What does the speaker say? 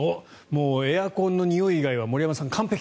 もうエアコンのにおい以外は森山さん、完璧。